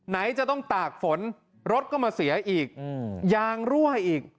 ไหนจะต้องตากฝนรถก็มาเสียอีกยางรั่วอีก